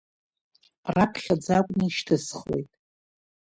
Раԥхьаӡа акәны ишьҭысхуеит.